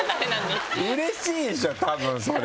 うれしいでしょたぶんそれ。